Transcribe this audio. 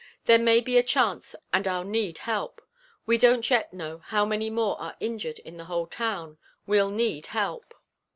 There may be a chance and I'll need help. We don't yet know how many more are injured in the whole town. We'll need help."